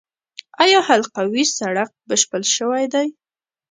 آیا حلقوي سړک بشپړ شوی دی؟